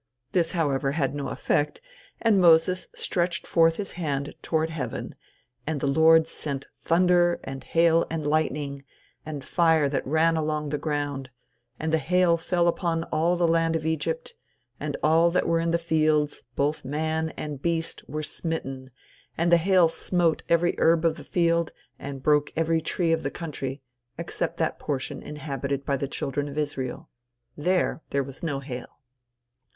This, however, had no effect, and Moses stretched forth his hand toward heaven, and the Lord sent thunder, and hail and lightning, and fire that ran along the ground, and the hail fell upon all the land of Egypt, and all that were in the fields, both man and beast, were smitten, and the hail smote every herb of the field, and broke every tree of the country except that portion inhabited by the children of Israel; there, there was no hail.